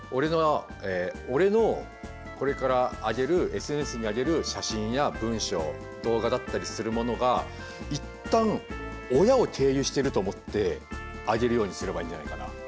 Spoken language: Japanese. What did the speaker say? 俺のこれからＳＮＳに上げる写真や文章動画だったりするものが一旦親を経由してると思って上げるようにすればいいんじゃないかな。